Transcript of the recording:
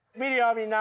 みんな。